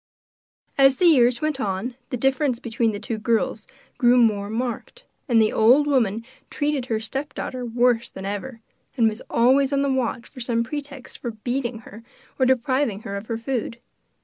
As the years went on, the difference between the two girls grew more marked, and the old woman treated her stepdaughter worse than ever, and was always on the watch for some pretext for beating her, or depriving her of her food.